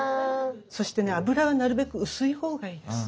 そしてね油はなるべく薄い方がいいです。